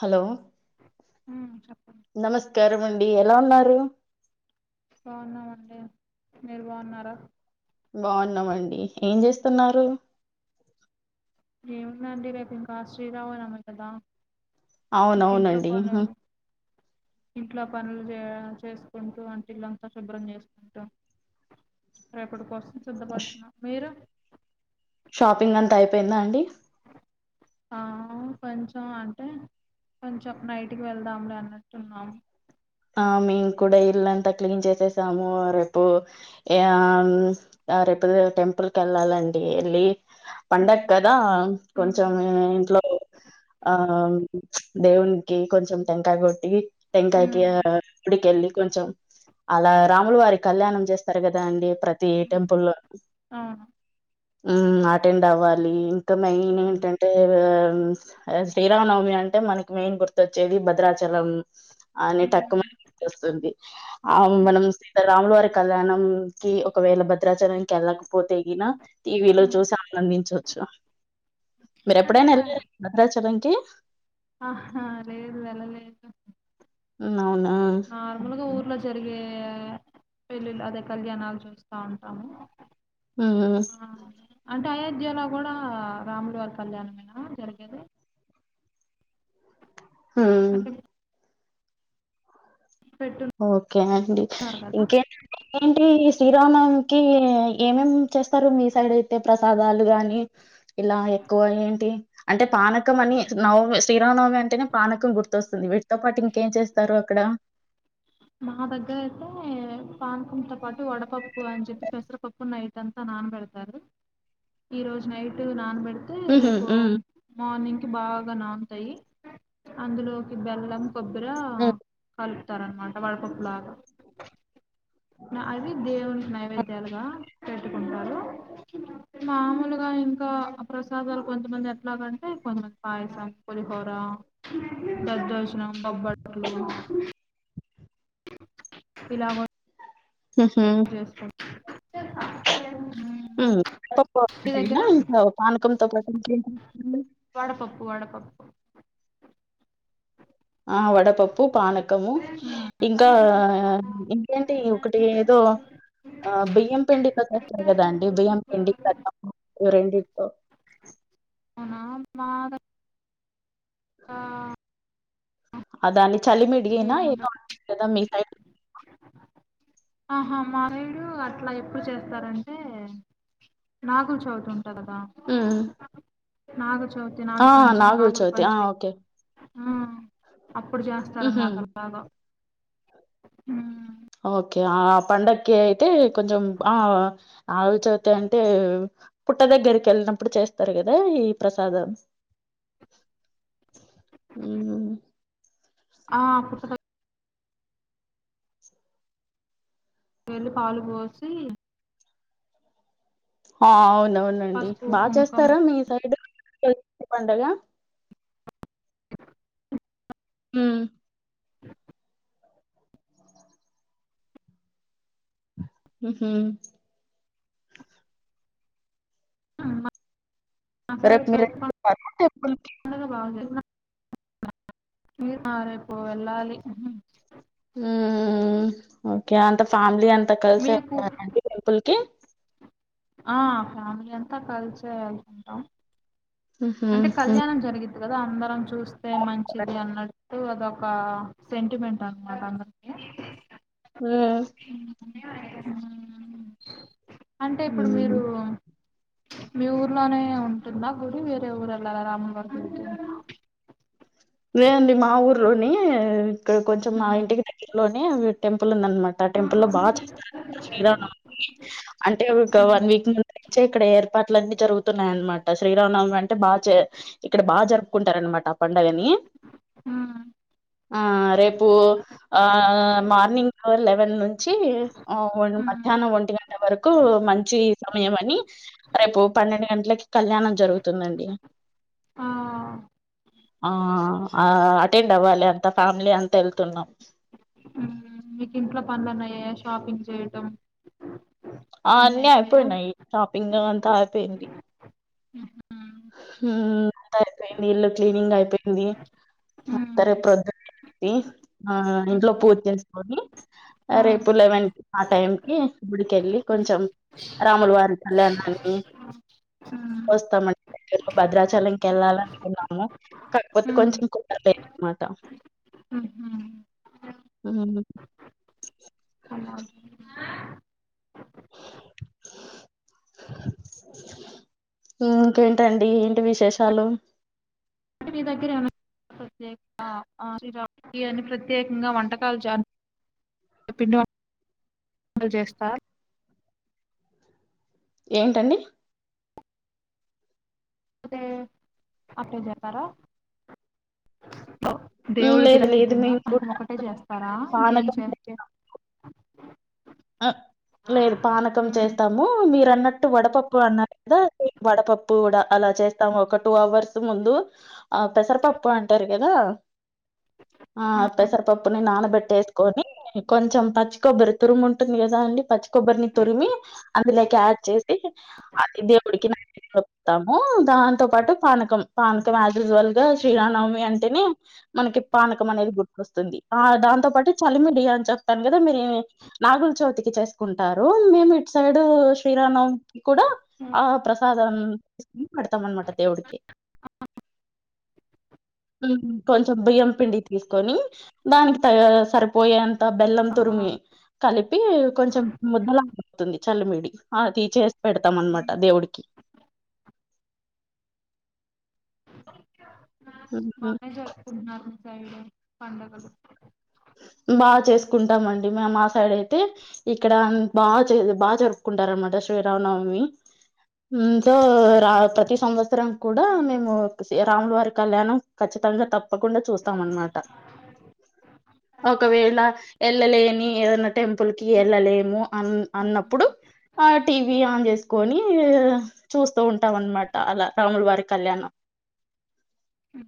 Hello ఉమ్ చెప్పండి నమస్కారం అండి ఎలా ఉన్నారుారు బాగున్నామండి మీరు బాగున్నారా బాగున్నామండి ఏం చేస్తున్నారు ఎం ఉన్నాండి రేపు ఇంకా శ్రీరావు నవమి కదా ఇంక ఇంట్లో అవునవునండి ఉహు. పనులు ఇంట్లో పనులు చే చేసుకుంటూ వంటిలుంతా శుభ్రం చేసుకుంటూ రేపటి కోసం సిద్ధపడుతున్నా మీరు షాపింగ్ అంతా అయిపోయిందా అండి ఆ కొంచెం అంటే కొంచెం నైట్ కి వెళ్దాంలే అన్నట్టున్నాము ఆ మేము కూడా ఇల్లంతా క్లీన్ చేసేసాము రేపు రేపు ఉదయం టెంపుల్ క వెళ్ళాలండి లి పండగ ఉమ్ కదా ఉమ్ కొంచెం ఇంట్లో ఆ దేవునికి కొంచెం టంకాయ కొట్టి టంకాయకి ఉమ్ ఇడికెళ్ళి కొంచెం అలా రాములు వారి కళ్యాణం చేస్తారు కదా అండి ప్రతి ఉమ్ టెంపుల్ అవును అటెండ్ అవ్వాలి ఇంకా మెయిన్ ఉమ్ ఏంటంటే ఆ శ్రీరామనవమి అంటే మనకి మెయిన్ గుర్తొచ్చేది భద్రాచలం అని ఉమ్ టక్కుమని గుర్తొస్తుంది ఆ ఉమ్ మనం సీతారాముల వారికి కళ్యాణం కి ఒకవేళ భద్రాచలంకి వెళ్ళకపోతేగిన టీవీలో ఉమ్. చూసి ఆనందించవచ్చు మీరు ఎప్పుడైనా అంటే వెళ్ళ భద్రాచల కి ఆహా లేదు వెల లేదు హ్మ్. అవునా! నార్మల్గా ఓకే. ఊర్లో జరిగే పెళ్ళళ్ళ అదే కళ్యాణాలు చూస్తా ఉంటాము ఆ ఆ అంటే అయోధ్యలో కూడా రాములు వారి కళ్యాణమేనా జరిగేది ఆ అంటే పెట్టున్నారు ఓకే అండి కదా ఇంకే ఏంటి కల్యాణానికి ఏమేం చేస్తారు మీ సైడ్ అయితే ప్రసాదాలు గానీ ఇలా ఎక్కువ ఎక్కువ ఏంటి అంటే పానకం అని నమి శ్రీరామనవమి అంటేనే పానకం గుర్తొస్తుంది వీటితో పాటు ఇంకా ఇంకేం చేస్తారు అక్కడ మా దగ్గర అయితే పానకంతో పాటు వడపప్పు అని చెప్పి పెసరపప్పు నా అంత నానబెడతారు ఈరోజు నైట్ నానా అయితే హుహు. రేపు హ్మ్. మార్నింగ్ కి బాగా నానుతాయి అందులో బెల్లం కొబ్బర హ్మ్. కలుపుతారు అన్నమా లాగా అవి దేవుని నైవేద్యాలుగా పెట్టుకుంటారు మామూలుగా ఇంకా ప్రసాదాలు కొంతమంది ఎట్లాగంటే కొంతమంది పాయసం కొ దద్దోజనం బొబ్బట్లు ఇలా వ చేస్తూ [inaudible] ఒక మీ పానకమే దగ్గర నా పానకంతో పాటు ఇంకేంటి వడపప్పు వడపప్పు ఆ వడపప్పు పానకము ఇంకా ఇంకేంటి ఒకటి ఏదో బియ్యం బియ్యం పిండి పెసరప కదా అండి బియ్యం పిండి పెసరపప్పు రెండిటితో అవునా మాద [inaudible] ఆ దాన్ని చలిమిడియేనా ఏముండదు ఏదో అంటారు మీ సైడు ఆహ మారీడు అట్లా ఎప్పుడు చేస్తారంటే నాగుల చవితి హ్మ్. నాగ చౌతి ఆ! నాగపంచమి నాగుల నాగుల్ చవితి. ఆ! పంచమి ఓకే. ఆ అప్పుడు హుహు. చేస్తారన్నమాట అలాగా ఉ ఓకే ఆ పండక్కి అయితే కొంచెం ఆ ఆవు చవితి అంటే పుట్ట దగ్గరికి వెళ్ళినప్పుడు చేస్తారు కదా ఈ ప్రసాదామ్స్ ఉం ఆ పుట్ట దయ్ వెళ్లి పాలు పోసి ఆ అవునవునండి పసుపు బాగా కుంకుమ చేస్తారా మీ సైడ్ కొత్త పండగ ఉం [inaudible] హుహు అమ్మ రేపు మీరు వెళ్తున్నారా టెంపుల్ కి మీరా రేపు వెళ్లాలి ఉహు ఉ ఓకే అంత ఫ్యామిలీ అంతా కలిసే మీకు వెళ్తారా అండి టెంపుల్ కి ఆ ఫ్యామిలీ అంతా కలిసే ఉంటాం హుహు. అంటే హ్మ్. కళ్యాణం జరిగింది కదా అందరం చూస్తే మంచిది అన్నట్టు తు అదొక సెంటిమెంట్ అన్నమాట అందరికి [unintelligible] ఉ అంటే ఇప్పుడు హ్మ్. మీరు మీ ఊర్లోనే ఉంటుందా గుడి వే ఏ ఊరు వెళ్లాలి రా అమ్మమ్మ వాళ్ళింటికి వె అండి మా ఊర్లోని ఇక్కడ కొంచెం మా ఇంటికి దగ్గరలోని టెంపుల్ ఉంది అన్ అన్మాట టెంపుల్ లో బాగా చేస్తారు అంట శ్రీరామనవమికి అంటే ఒక వన్ వీక్ ముందు నుంచే ఇక్కడ ఏర్ పాట్లు అన్నీ జరుగుతున్నాయనమాట శ్రీరామనవమి అంటే బాగా చే ఇక్కడ బాగా జరుపుకుంటారు అనమాట ఆ పండుగని అ ఆ రేపు ఆ మార్నింగ్ ఆర్ లెవెన్ నుంచి అవును మాత్ మధ్యాహ్నం ఒంటి గంట వరకు మంచి సమయం అని రేపు పన్నెండు గంటలకి కళ్యాణం జరుగు తుంది అండి ఆ ఆ అటెండ్ అవ్వాలి అన్ తా ఫ్యామిలీ అంతా వెళ్తున్నాం ఉ మీకు ఇంట్లో పనులు అన్ని అయ్యాయా షాపింగ్ చేయటం ఆ అన్నీ అన్ని అయిపోయా అయిపోయినాయి షాపింగ్ అది అంతా అయిపోయింది ఉహు హ ఉ అంత అయిపోయింది ఇల్లు క్లీనింగ్ అయిపోయింది సరే ప్రొద్దునా లేసి ఆ ఇంట్లో పూజా చేసుకొని ఆ రేపు లెవన్ ఆ టైం కి గుడికెళ్ళి కొంచెం రాములు వారి కళ్యాణాన్ని వస్తామం ఎక్కనో భద్రాచలంకి వెళ్ళాలనుకున్నాము కాకపోతే కొంచెం కుదరలేదు అనమాట ఉహు ఆ అన్న అమ్మ ఆ ఇంకేంటండి ఏంటి విశేషాలు అంటే మీ దగ్గర ఏమన్నా అని ప్రత్యేకంగా వంటకాలు చాలు పిండి వంటలు చేస్తారు ఏంటండీ [unintelligible] హ్మ్. దేవుడికి లేదు లేదు నైవేద్యం గా మేము కూడా [unintelligible] ఒకటే చేస్తారా ఇంకేం పానకం చేయ ఆ లేదు పానకం ఉమ్ చేస్తాము ద వడపప్పు కూడ అలా చేస్తాము ఒక టూ అవర్స్ ముందు ఆ పెసరపప్పు అంటారు కదా ఆ పెసరపప్పుని నానబెట్టేసుకొని కొంచెం పచ్చి కొబ్బరి తురుముం [unintelligible] పచ్చి కొబ్బరిని తురిమి అందులేక యాడ్ చేసి అది దేవుడికి [unintelligible] దాంతో పాటు పానకం పానకం యాస్ యూస్ వల్గ శ్రీర [unintelligible] అంటేనే మనకి పానకం అనేది గుర్తుకొస్తుంది ఆ దాంతో పాటు చలి మీ రి అని చెప్తాను కదా మేరి నాగుల చవితికి చేసుకుంటారు మేము ఇటు సైడ్ శ్రీరామ నవమి కూడ ఆ ప్రసా [unintelligible] పెడతాం అనమాట దేవుడికి కొంచెం బియ్యం పిండి తీసుకొని దానికి తగ సరిపోయే బెల్లం ఆహా తురిమి కలిపి కొంచెం ముద్దల [unintelligible] చల్లిమిడి అది చే పెడతాం అనమాట ఉమ్ దేవుడికి హుహు. బానే జరుపుకుంటూన్నారు మీ సైడ్ పండగలు బా చేసుకుంటమండి మేము ఆ సైడ్ అయితే ఇక్కడ బాగ బా జరుపుకుంటారనమాట శ్రీరామనవమి ఇంకా ప్రతి సంవత్సరం కూడ ఉమ్ మేము రాముల వారి కళ్యాణం ఖచ్చితంగా తప్ ప్పకుండా చూస్తాం అన్నమాట ఒకవేళ వెళ్ళలేని ఏదైన టెంపుల్ కి వెళ్ళలేము అన్ అన్నప్పుడు ఆ టీవీ ఆన్ చేసుకొని చూస్తు ఉంటాం అనమాట అల రాములు వారి కళ్యాణం అ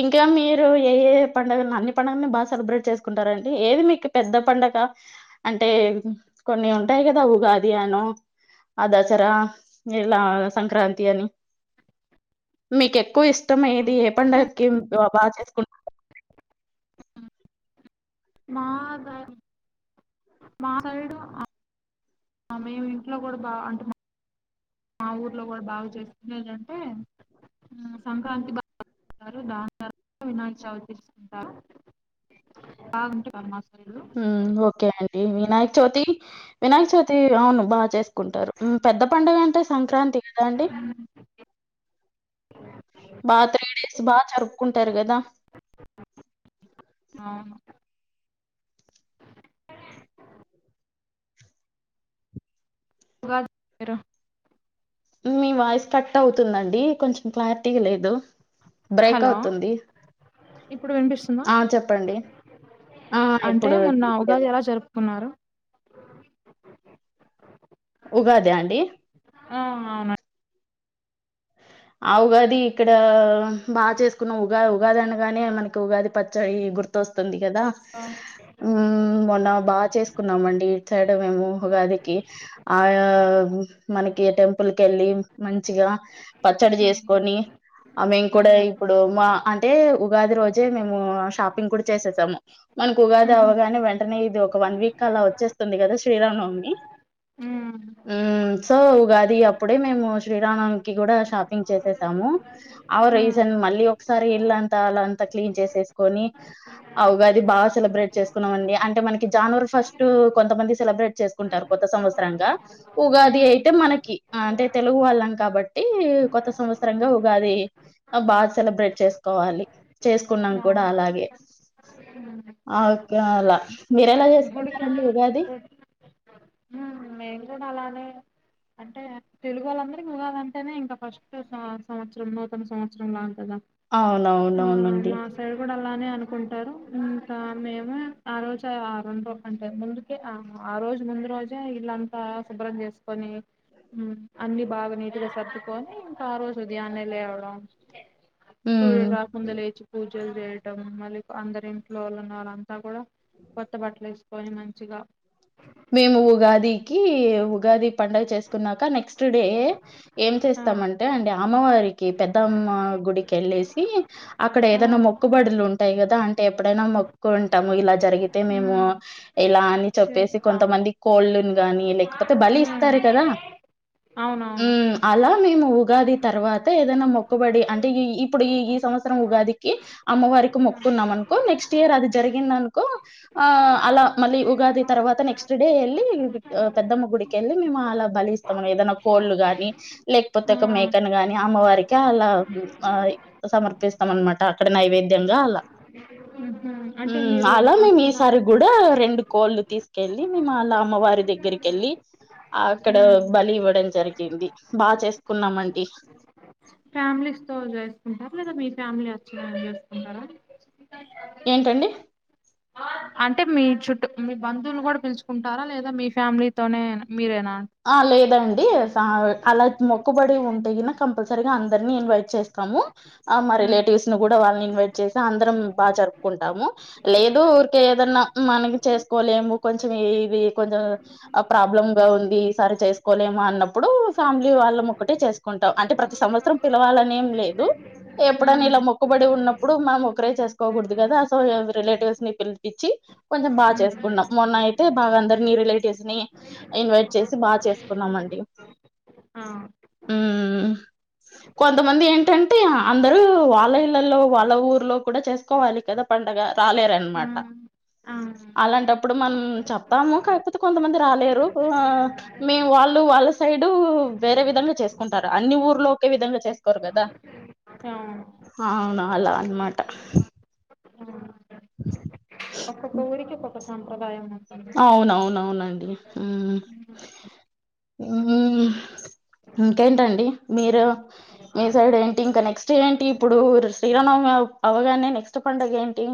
ఇంకా మీరు ఏ ఎ పండుగ అన్ని పండుగలని బాగ సెలబ్రేట్ చేసుకుంటార అండి ఏది మీకు పెద్ద పండగ అంటే కొన్ని ఉంటాయి కదా ఉగాదియనో అ దాసర ఇలా సంక్రాంతి అని మీకు ఎక్కువ ఇ ష్టం ఏది ఏ సైడ్ పండగకి బాగ చేసుకుం [unintelligible] మేము ఇంట్లో కూడ బాగా అంటున్నా మా ఊర్లో కూడ బాగా చేసుకునేదంటే సంక్రాంతి బ దాని తర్వాత వినాయక చవితి చేస్తారు ఒకే అండి వినాయకచౌతి వినాయక చవితి అవును బాగా చేసుకుంటారు పెద్ద పండుగ అంటే సంక్రాంతి [unintelligible] బాగా త్రీ డేస్ బాగా జరుపుకుంటారు కదా అవును ఉగాది [unintelligible] మీ వాయిస్ కట్ అవుతుందండి కొంచెం క్లారిటీ గా లేదు బ్రేక్ హలో అవుతుంది ఇప్పుడు వినిపిస్తుంద ఆ! చెప్పండి. ఆ! అంటే ఇప్పుడు మొన్న ఇప్పుడు ఉగాది క్లియరే. ఎలా జరుపుకున్నారు అ ఉగాదా అండి? ఆ అవున ఆ ఉగాది ఇక్కడ బా చేసుకున్న ఉగాది ఉగాది అనాగానే మనకి ఉగాది పచ్చడి గుర్ గుర్తొస్తుంది కదా ఆ ఉ మొన్న బాగ చేసుకున్నామండి ఇటు సైడ్ మేము ఉగాదికి ఆ మనకి టెంపుల్ కి వెళ్ళి మంచిగా పచ్చడి ఉమ్ చేసుకొని ఆ మేము కూడా ఉమ్ ఇప్పుడు మా అంటే ఉగాది రోజే మేము షాపింగ్ కూడా చేసేసాము మనకు ఉగాది ఉహు అవ్వగానే వెంటనే ఇది ఒక వన్ వీక్ అలా వచ్చేస్తుంది కదా శ్రీరామ్ నవమి ఉమ్ హ్మ్ సో ఉగాది అప్పుడే మేము శ్రీరామ నవమి కి కూడా షాపింగ్ చేసేసాము అవు రీసన్ మళ్ళీ ఒకసారి ఇల్లంతా అంత క్లీన్ చేసెస్ కొని అ ఉగాది బాగా సెలబ్రేట్ చేసుకున్నాం అండి అంటే మనకి జన్వరి ఫస్ట్ కొంతమంది సెలబ్రేట్ చేసుకుంటారు కొత్త సంవత్సర త్సరంగా ఉగాది అయితే మనకి అంటే తెలుగు వాళ్ళం కాబట్టి టి కొత్త సంవత్సరంగా ఉగాది ఆ బా సెలబ్రేట్ చేసుకోవాలి చేసుకున్నాం కూడా అలాగే ఓకే అలా మీర ఎలా గుడికి చేసుకున్నారండి ఉగాది గుడి మేము కూడా అలానే అంటే తెలుగు వాళ్ళందరి ఉగాదంటేనే ఇంకా ఫస్ట్ సంవత్సరం నూతన సంవత్సరం లాగా అవునవునవునండి బానే అనుకుంటారు ఇంకా మేము ఆ రోజు ఆరు అంటే ముందుకే ఆ ఆరు రోజు ముందు రోజే ఇల్లంతా శుభ్రం చేసుకొని మ్మ్ అన్ని బాగా నీటిగా సర్దుకొని ఇంకా ఆ రోజు ఉదయాన్నే లేవడం సూర్యుడు హ్మ్. రాకు ముందే లేచి పూజలు చేయడం మళ్ళీ అందరి ఇంట్లో వాళ్ళనళ్ అ కూడా కొత్త బట్టలు వేసుకొని మంచిగా మేము ఉగాదికి ఉగాది పండగ చేసుకున్నాక నెక్స్ట్ డే ఏం ఆ చేస్తామంటే అండి అమ్మవారికి పెద్దమ్మ గుడికి వెళ్ళేసి అక్కడ ఆ ఏదైనా మొక్కుబడులు ఉంటాయి కదా అంటే ఎప్పుడైనా మొక్కు ఉంటాము ఇలా జరిగితే మేము ఉమ్ ఇలా అని చెప్పేసి చేస్తాము కొంతమంది కుళ్ళును గానీ లేకపోతే బలి ఉమ్ ఇస్తారు కదా అవునవును మ్మ్ అలా మేము ఉగాది తర్వాత ఏదైనా మొక్కుబడి అంటే ఈ ఇప్పుడు ఈ ఈ సంవత్సరం ఉగాదికి అమ్మవారికి మొక్కున్నాంనుకో నెక్స్ట్ ఇయర్ అది జరిగిందనుకో ఆ అలా మళ్ళీ ఉగాది తర్వాత నెక్స్ట్ డే ఎల్లి ఆ పెద్దమ్మ గుడికె కెళ్ళి మేము అలా బలిస్తాము ఏదనా కోళ్ళు గాని లేకపోతే ఆ ఒక మేకను గాని అమ్మవారికి అలా ఆ సమర్పిస్తాం అనమాట అక్కడ నైవేద్యంగా అలా ఊమ్ హ్మ్ అలా మేము ఈసారి గూడా రెండు కోళ్ళు తీస్ ఎళ్ళి మేమళ అమ్మవారి దగ్గరికి కెళ్ళి అక్కడ ఉమ్ బలి ఇవ్వడం జరిగింది బా చేసుకున్నామండి అందర్థోస్ జేసుకుంటారా లేదా మీ ఫ్యామిలచ్చ ఏమన్నా జేసుకుంటారా ఏంటండి అంటే మీ చుట్టూ మీ బంధువులు గూడా పిలుచుకుంటారా లేదా మీ ఫ్యామిలీతోనే మీరేనా ఆ లేదండి స అలా మొక్కుబడి ఉంటేగిన కంపల్సరీగా అందరినీ ఇన్వైట్ చేస్ సము ఆ మా ఉమ్ రిలేటివ్స్ ని గూడా వాళ్ళని ఇన్వైట్ చేస అందరం బాగా జరుపుకుంటాము లేదు ఊరికే ఏదన్నా మనం చేసుకోలేము కొంచెం ఈది కొంచం అ ప్రాబ్లంగా ఉంది అరె చేసుకోలేము అన్నప్పుడు ఫ్యామిలీ వాళ్ళం ఒక్కటే చేసుకుంటాం అంటే ప్రతి సంవత్సరం పిలవాలనేం లేదు ఎప్పుడన్న ఇలా ఉమ్ మొక్కుబడి ఉన్నప్పుడు మనం ఒకరే చేస్ కోకూడదు గదా అసో రిలేటివ్స్ ని పిలిపిచ్చి కొంచెం బాగా చేసుకున్నాం ఉమ్ మొన్న అయితే బాగా అందరినీ రిలేటివ్స్ ని ఇన్వైట్ చి బా చేసుకున్నామండి ఆ మ్మ్ కొంతమంది ఏంటంటే అందరు వాళ్ళ ఇళ్లలో వాళ్ళ ఊర్లో కూడా చేసుకోవాలి కదా పం డగా రాలేరు ఆ అనమాట ఆ అలాంటప్పుడు మన్ చెప్తాము కాకపోతే కొంతమంది రాలేరు ఆ మేము వాళ్ళు వాళ్ళ సైడు వేరే విధంగా చేసుకుంటారు అన్ని ఊర్లో ఒకే విధంగా చేసుకోరు గదా అవును అవున అలా అనమాట [inaudible] ఒక్కో గుడికి ఒక్కో సంప్రదాయం ఉంటుంది అవునవునవునండి ఉమ్ ఉహ్మ్ ఇంకేంటండి మీరు మీ సైడ్ ఏంటి ఇంకా నెక్స్ట్ ఏంటి ఇప్పుడు శ్రీరానవమి పావ్ అవగానే నెక్స్ట్ పండగ ఏంటి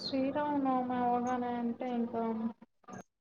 శ్రీరామనవమి అవగానే అంటే ఇంకా